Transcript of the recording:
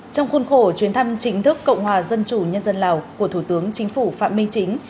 trong khuôn khổ chuyến thăm chính thức cộng hòa dân chủ nhân dân lào của thủ tướng chính phủ phạm minh chính